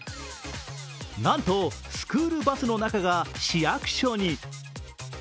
なんとスクールバスの中が市役所に。